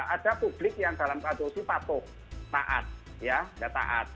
ada publik yang dalam keaduan usia patuh taat ya nggak taat